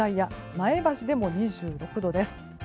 前橋でも２６度です。